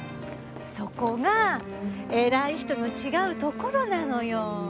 そこが偉い人の違うところなのよ！